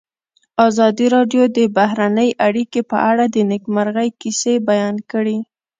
ازادي راډیو د بهرنۍ اړیکې په اړه د نېکمرغۍ کیسې بیان کړې.